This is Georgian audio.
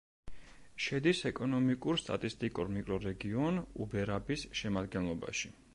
შედის ეკონომიკურ-სტატისტიკურ მიკრორეგიონ უბერაბის შემადგენლობაში.